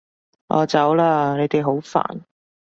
我走喇！你哋好煩